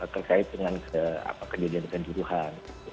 terkait dengan kejadian kejuruhan